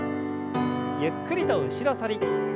ゆっくりと後ろ反り。